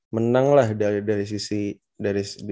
menang lah dari sisi